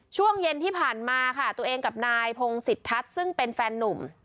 ช่วงเย็นที่ผ่านมาค่ะตัวเองกับนายพงศิษทัศน์ซึ่งเป็นแฟนนุ่ม